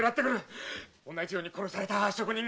同じように殺された職人がいるんだ！